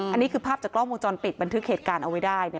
อันนี้คือภาพจากกล้องวงจรปิดบันทึกเหตุการณ์เอาไว้ได้เนี่ย